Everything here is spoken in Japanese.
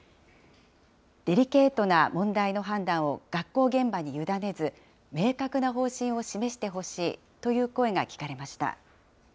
デリケートな問題の判断を学校現場に委ねず、明確な方針を示してほしいという声が聞かれました。